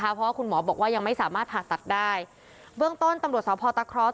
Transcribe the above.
เพราะว่าคุณหมอบอกว่ายังไม่สามารถผ่าตัดได้เบื้องต้นตำรวจสพตะครอส